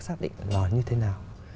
xác định lò như thế nào